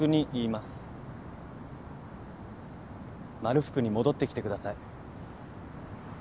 まるふくに戻ってきてください。